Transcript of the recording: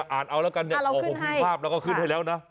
อ่านเอาแล้วกันขอบคุณภาพเราก็ขึ้นให้แล้วนะ